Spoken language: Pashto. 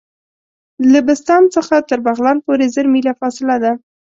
له بسطام څخه تر بغلان پوري زر میله فاصله ده.